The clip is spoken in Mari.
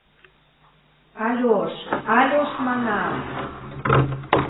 — Альош, Альош, манам!